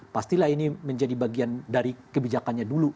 pastilah ini menjadi bagian dari kebijakannya dulu